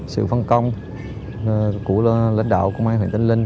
sự phân công của lãnh đạo công an huyện tân linh